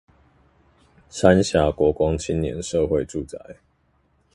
三峽國光青年社會住宅